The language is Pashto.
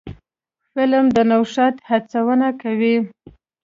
فلم د نوښت هڅونه کوي